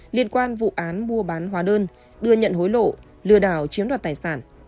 liên quan vụ án mua bán hóa đơn đưa nhận hối lộ lừa đảo chiếm đoạt tài sản